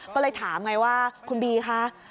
ก็เลยถามไงว่าคุณบีคะ